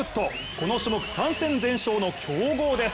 この種目３戦全勝の強豪です。